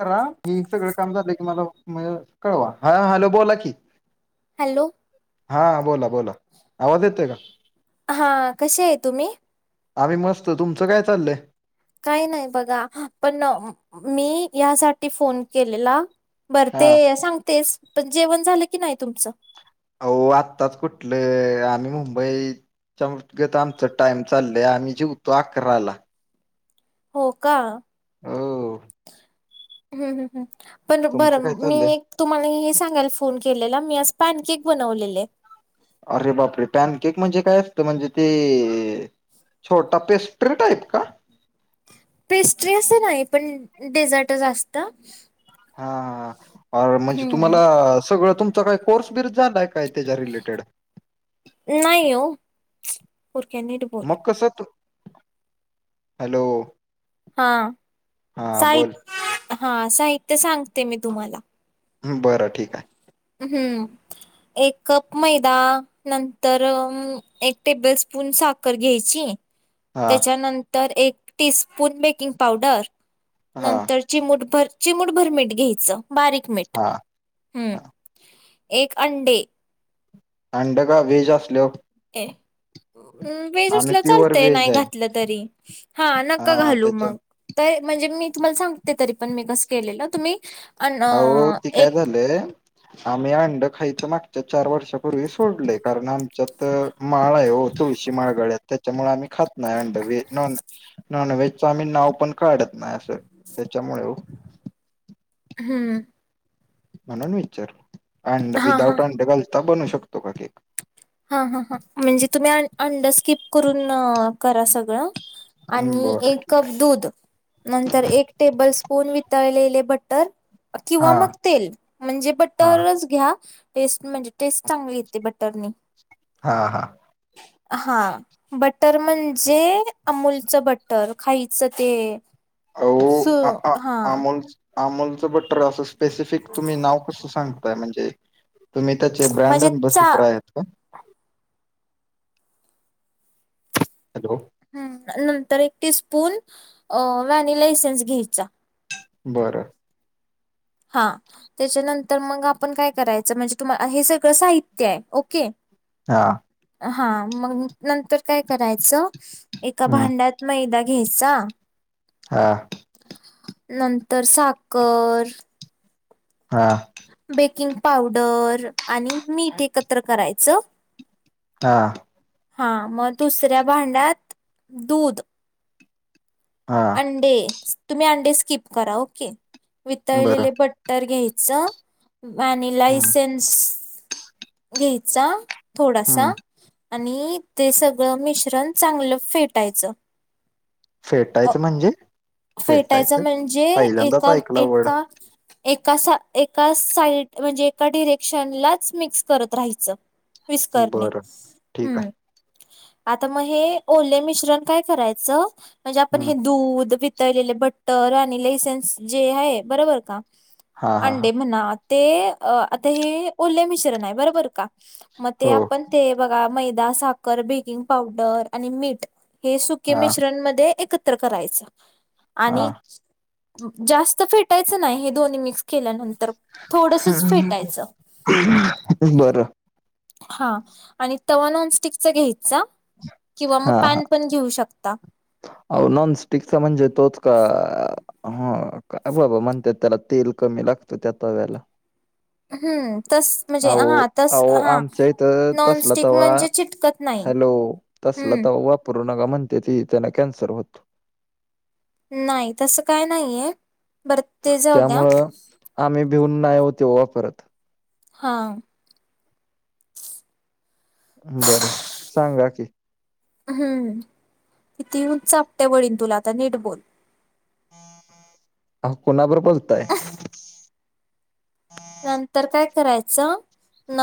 करा. मी सगळं काम झालं की मला म्ह कळवा. ह हॅलो. बोला की. हॅलो. हा. बोला, बोला. आवाज येतोय का? हा. कसे हाय तुम्ही? आम्ही मस्त. तुमचं काय चाललंय? काही नाही बघा. पण मी यासाठी फोन केलेला - - बर हा ते सांगतेस. पण जेवण झालं की नाही तुमचं? आयो आत्ताच कुठलं, आम्ही मुंबईत. च्या मृतगत आमचा टाम चालय. आम्ही जेवतो अकराला. हो का. हो ह्, ह, ह. पण बर तुमचं काय मी चाललंय एक - - तुम्हाला हे सांगायला फोन केलेला मी आज पॅनकेक बनवलेले अरे बापरे पॅन केक म्हणजे काय असतं म्हणजे ते छोटा पेस्ट्री टाईप का पेस्ट्री अस नाही पण डेझर्ट जास्त हा म्हणजे हम्म तुम्हाला सगळं तुमचा काही कोर्स बिर झालाय का इ त्याच्या रिलेटेड नाही हो होरकनी मक्कसत हॅलो हा हा बोल साहित्य हा साहित्य सांगते मी तुम्हाला बरं ठीक आहे हम्म एक कप मैदा नंतर एक टेबल स्पून साखर घ्यायची हा त्याच्यानंतर एक टीस्पून बेकिंग पावडर हा नंतर चिमूटभर चिमुूटभर मीठ घ्यायचं बारीक मीठ हा हम्म हा एक अंडे अंड का व्ेज असल ए वेज असलं प्युअर चालतय व्हेज नाही आहे घातलं तरी हा नका हा घालू त्याच्या मग तर म्हणजे मी तुम्हाला सांगते तरी पण मी कस केलेलं तुम्ही अन अह अ, ते काय एक झालंय आम्ही अंड खायच मागच्या चार वर्षापूर्वी सोडलेय कारण आमच्या तर माळा आहे थोडीशी माळ गळत त्याच्यामुळे आम्ही खात नाही वहे नॉन व्हे ना ना वेहेज चामीन नाव पण काढत नाही असं त्याच्यामुळे हम्म म्हणून विचार अड हा हा विदाउट अ गल् बनू शकतो का केक हां हां हां म्हणजे तुम्ही अंडरस्किप करून करा सगळं आणि बर एक कप दूध नंतर एक टेबल स्पून वितळलेले बटर किंवा हा मग तेल म्हणजे हा बटटरच घ्या टेस्ट म्हणजे टेस्ट चांगली येते बटर हा हा हा बटर म्हणजे अमूलचं बटर खायच ते अहो स आ आ हा अमोल अमोलचं बटर असं स्पेसिफिक तुम्ही नाव कसं सांगताय म्हणजे तुम्ही त्याचे म्हणजे ब्रँडन बस चा रा आहेत का हॅलो ह् नंतर एक टी स्पून व्हॅनिला एसेनस घ्यायचा बरं हा त्याच्यानंतर मग आपण काय करायचं म्हणजे तुम्हाला हे सगळं साहित्य आहे ओके हा हा मग नंतर काय करायचं एका हम्म भांड्यात मैदा घ्याचा हा नंतर साखर हा बेकिंग पावडर आणि मीठ एकत्र करायचं तर हा मग दुसऱ्या भांड्यात दूध हा. तुम् अंकप करा ओके ब बरं र घ्यायच आणिनी हम्म लायसेन्स घ्यायचा. थोडासा हम्म आणि ते सगळं मिश्रण चांगलं फेटायचं. अ, फेटायचं म्हणजे फेटायचं म्हणजे पहिल्यांदाच एका ऐकला वर्ड एका एका एका साइड म्हणजे एका डिरेक्शन लाच मिक्स करत राहायचं. विस्कणे बरं ठीक हम्म. आहे आता मग हे ओले मिश्रण काय करायचं म्हणजे आपण हम्म हे दूध तळलेले भट्टर आणि लेसन्स जे आहे बरोबर का हा हा हा अंडे म्हणत. ते आता हे ओले मिश्रण आहे बरोबर का मग ते हो आपण ते बघा मैदा साखर बेकिंग पावडर आणि मीठ. हे सुके हा मिश्रण म एकत्र करायचं हा आणि जास्त फेटायचं नाही हे दोन्ही मिक्स केल्यानंतर थोडसच फेटायचं. बरं. हा आणि तव्हा नॉनस्टिकचा घ्यायचा किंवा मग पॅन पण घेऊ शकता. अ नॉनस्टिकचा म्हणजे तोच का? हा का बाबा म्हणतेात त्याला तेल कमी लागतो त्या तव्याला हम्म. तस म्हणजे अहो, हा तस अहो हा आमच्या इथं तसला नॉनस्टिक तवा म्हणजे चिटकत नाही. हॅलो तसला हम्म तर वापरू नका म्हणते ती त्यांना कॅन्सर होतो. नाही तसं काय नाहीये बरं ते जाऊ द्या. त्यामुळं आम्ही भिऊन नाही होतेव्हा परत हां. बरं सांगा कि हम्म कितीेन चापते वडन तुला आता नीट बोल. अ कुणाबरोब पचतय. नंतर काय करायचं. न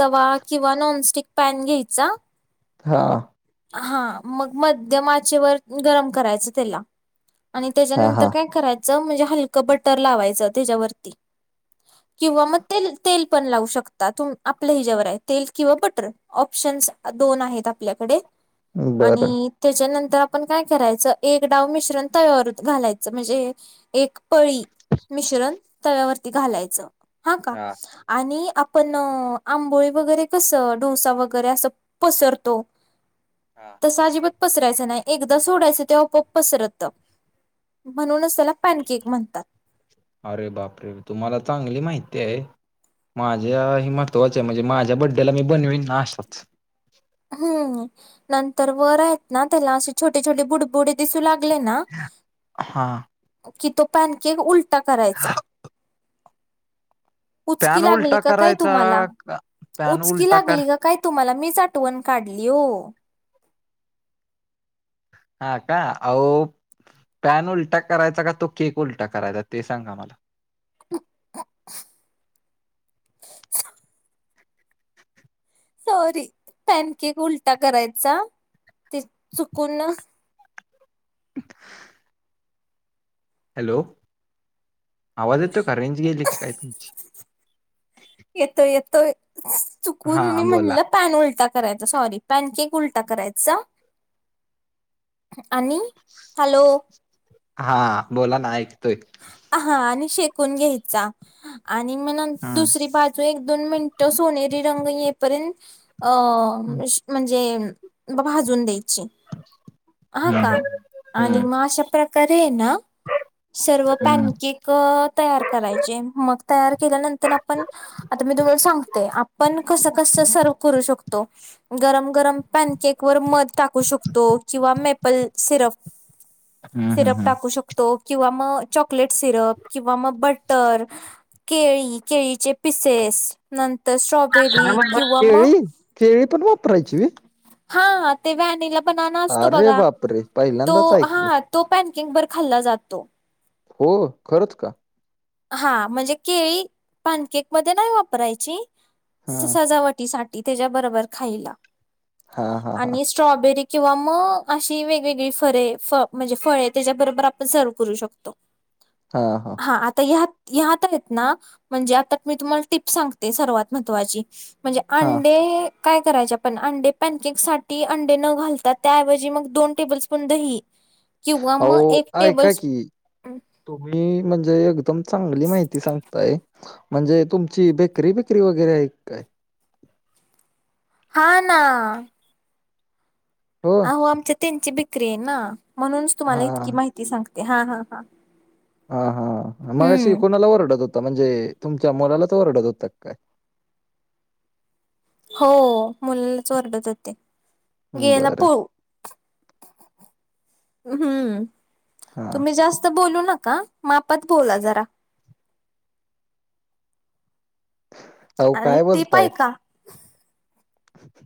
तवा किंवा नॉनस्टिक पॅन घ्यायचा हा. हा मग मध्य आचेवर गरम करायचं त्याला आणि हां, त्याच्यानंतर हां. काय करायचं म्हणजे हलकं बटर लावायचं त्याच्यावरती किंवा मग ते तेल पण लावू शकता तु आपल्या हिच्यावर आहे तेल किंवा बटर. ऑप्शन्स दोन आहेत आपल्याकडे बरं. आणि त्याच्यानंतर आपण काय करायचं एक डाव मिश्रण तयावरत घालायचं म्हणजे एक पळी मिश्रण तव्यावरती घालायचं हा का? हां, आणि आपण आंबोळी वगैरे कसं डोसा वगैरे असं. पसरतो तस अजिबात पसरायचं नाही एकदा सोडायचं तेव्हा पप पसरत म्हणूनच त्याला पॅनकेक म्हणतात. अरे बापरे तुम्हाला चांगली माहिती आहे. माझ्या हे महत्वाचे म्हणजे माझ्या बड्डेला मी बनवीन ना अशाच हम्म नंतर वर आहेत ना त्याला असे छोटे छोटे बुडबुडी लाग हां. त पनक उल. ा करायचा उचकी पॅन लागली उलटा का काय करायचा तुम्हाला का पॅन उचकी उलटा कर लागली का? काय तुम्हाला मीच आठवण काढली हो. हा का आ. पॅन उलटा करायचा का तो केक उलटा करायचा ते सांगा मला [unintelligible] [inaudible] सॉरी पॅनकक उलटा करायचा ते चुकून ह हॅलो आवाज येतो कारेंज घयलयतची येतो येतो चुकून मी हा बोला म्हणलं पॅन उलटा करायचा सॉरी पॅन केक उलटा करायचा आणि हॅलो हा बोला ना ऐकतोय हा आणि शेकून घ्यायचा आणि म हम्म, दुसरी बा ो एक दोन मिनिटं सोनेरी रंग येपर्यंत अ म्हणजे भाजून द्यायची हा हम्म, का आणि हम्म, मग अशा प्रकारे ना सर्व हम्म, पॅनकेक तयार करायचे मग तयार केल्यानंतर आपण आ मी तुमला सांगते पण कसं कसं सर्व करू शकतो गरम गरम पॅनकेक वर मध टाकू शकतो किंवा मेपल सिरप हम्म, हम्म, सिरप हम्म. टाकू शकतो किंवा मग चॉकलेट सिरप किंवा मग बटर केळी केळीचे पिसेस नंतर काय स्ट्रॉबेरी म्हणला? किंवा मग केळी केळी पण वापरायची वी हा ते व्हॅनिला बणाना असतो अरे बघा बापरे तो पहिल्यांदाच ऐकलं हा तो पॅनकंग भर खाल्ला जातो हो खरंच का हा म्हणजे केळी पानकेक मध्ये नाही वापरायची हा सजावटी साठ त्याब ख हा हा हा स किंवा मग अशी वेगवेगळी फरे फ म्हणजे फळे त्याच्याबरोबर आपण सर्व करू शकतो ह हा हा हा आता ह्यात आहेत ना म्हणजे आता मी तुम्हाला टिप् सांगते सर्वात महत्त्वाची म्हणजे हा अंडे काय करायचे आपण अंडे पॅनकक साठी अंडे न घालताात त्याऐवजी मग दोन टेबल स्पून दही किंवा मग अहो एक टेबल ऐका स् की तुम्ही म्हणजे एकदम चांगली माहिती सांगताय म्हणजे तुमची बेकरी बेकरी वगैरे एक काय हा ना हो अहो आमच्या त्यांची बिक्री आहे ना म्हणूनच हा तुम्हाला इतकी माहिती सांगते हा हा हां हा हा मग अशी हं. कुणाला ओरडत होता म्हणजे तुमच्या मुलाला तर रडत होतात काय हो मुलालाच ओरडत होते गेला बरं पळू हम्म हा तुम्ही जास्त बोलू नका मापात बोला जरा अह आणि काय टिप बोलताय ऐका, अच्छा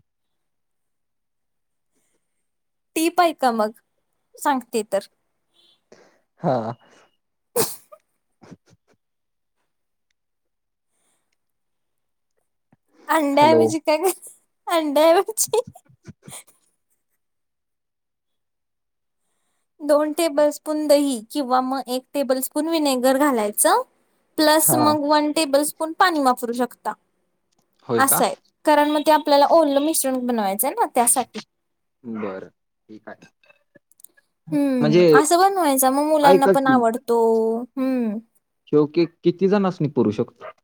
टीप आहे का मग सांगते तर हा [unintelligible] ह हॅलो अडामज का अडामची दोन टेबल स्पून दही किंवा मग एक टेबल स्पून विनेगर घालायचं प्लस हा मग वन टेबल स्पून पाणी वापरू शकता होय का असंय कारण मग ते आपल्याला ओरलं मिश्रण बनवायचंय ना त्यासाठी बरं ठीक आहे हम्म म्हणजे असं बनवायचं मग मुलांना ऐका पण आवडतो हम्म शेव की किती जण अस नि पुू शकतो.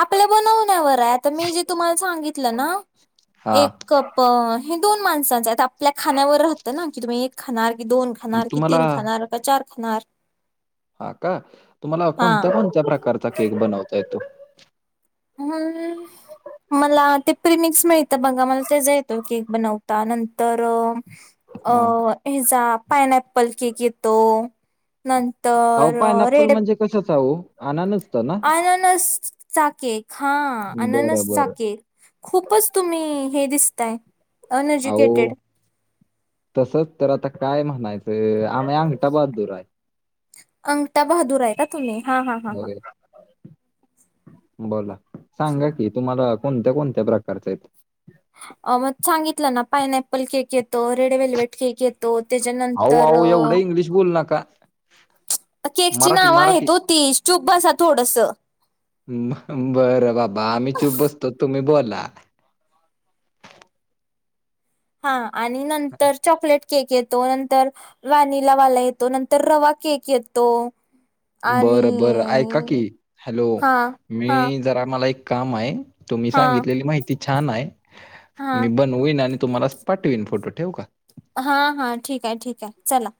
आपल्या बनवण्यावर आहे आता मी जे तुम्हाला सांगितलं ना हा एक कप प हे दोन माणसांचं आपल्या खाण्यावर राहतं ना की तुम्ही एक खनणार की दोन खनार कि तुम्हाला तीन खनणार का चार खनार. हा का तुम्हाला कोणत्या कोणत्या प्रकारचा केक बनवता येतो. हम्. मला ते प्रिमिक्स मिळत बघा मला तेच येतं केक बनवता नंतर अ हा हचा पाइन पल केक येतो. नंतर रेडे. कसचह आननचत ना. अनस चाके हा अननस बरं बरं चाके. खूपच तुम्ही हे दिसताय. आऊ. अनएज्युकेटेड तसच तर आता काय म्हणायचं आम्ही अंगठा बहादूर आहे. अंकता बहादूर आहे का तुम्ही हा हां हां हां. वगैरे बोला सांगा कि तुम्हाला कोणत्या कोणत्या प्रकारच आहेत. अ मग सांगितलं ना पायन अपल केक येतो रेड वलवेट केक येतो. तो त्याच्यानंतर बोल नका. केकची मराठी नाव मराठी आहेत हो त चुपा थोडस. बरं बाबा आम्ही चूप बसतो तुम्ही बोला. हा आणि नंतर चॉकलेट. केक येतो नंतर व्हॅनिलावाला येतो नंतर रवा केक येतो. आणि बरं बरं ऐका की हॅलो हा मी हा जरा मला एक काम आहे तुम् हा सांगितली माहिती छान आहे हा मी ब होईन आणि तुम्हाला पाठवीन फोटो ठेव का? हा हा ठीक आहे ठीक आहे चला.